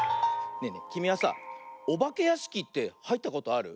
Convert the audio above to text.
ねえねえきみはさあおばけやしきってはいったことある？